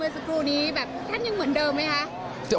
เมื่อสบู่นี้แค่ท่านยังเหมือนเดิมไหมค่ะ